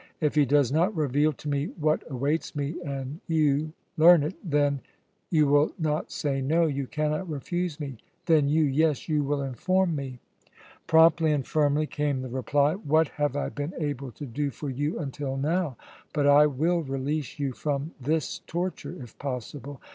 If he does not reveal to me what awaits me and you learn it, then you will not say no, you cannot refuse me then you, yes, you will inform me?" Promptly and firmly came the reply: "What have I been able to do for you until now? But I will release you from this torture, if possible."